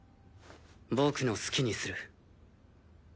僕の好きにする。